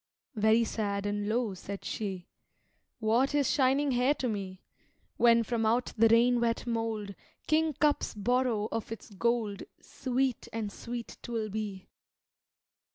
Very sad and low said she, "What is shining hair to me? When from out the rain wet mold Kingcups borrow of its gold Sweet and sweet 'twill be."